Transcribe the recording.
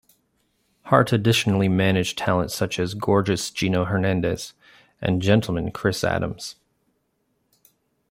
Hart additionally managed talent such as "Gorgeous" Gino Hernandez and Gentleman Chris Adams.